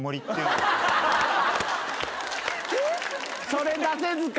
それ出せずか。